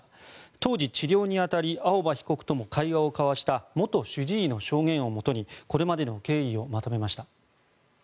当時、治療に当たり青葉被告とも会話を交わした元主治医の証言をもとにこれまでの経緯をまとめました。